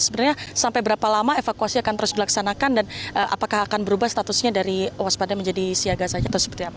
sebenarnya sampai berapa lama evakuasi akan terus dilaksanakan dan apakah akan berubah statusnya dari waspada menjadi siaga saja atau seperti apa